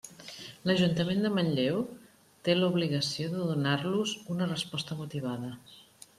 L'Ajuntament de Manlleu té l'obligació de donar-los una resposta motivada.